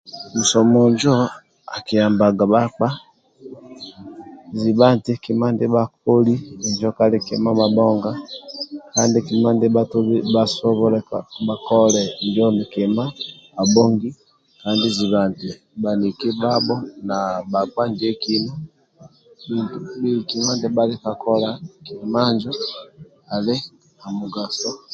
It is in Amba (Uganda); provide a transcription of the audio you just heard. Musomo Injo akiyambaga bhakpa zibha nti kima ndia bhakoli injo kali kima mabhonga kandi kima ndietolo ndia bhasoboki bhatodhe bhakole ali zibha eti bhaniki ndibhabho na bhakpa ndibhekina bhakakola kima ndia ali na mugaso